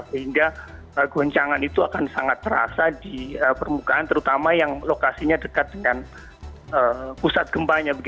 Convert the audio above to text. sehingga goncangan itu akan sangat terasa di permukaan terutama yang lokasinya dekat dengan pusat gempanya